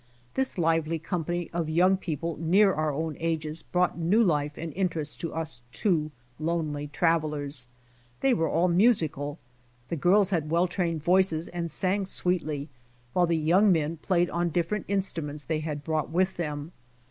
This lively company of young people near our own ages brought new life and interest to us two lonely travelers. They were all musical. The girls had well trained voices and sang sweetly, while the young men played on different instruments that they had brought with them.